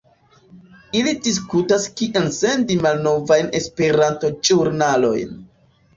Ili diskutas kien sendi malnovajn Esperanto-ĵurnalojn